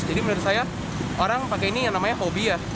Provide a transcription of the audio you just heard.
jadi menurut saya orang pakai ini yang namanya hobi ya